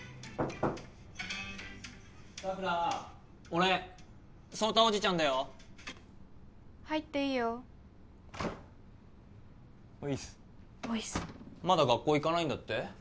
俺聡太おじちゃんだよ入っていいよおいっすおいっすまだ学校行かないんだって？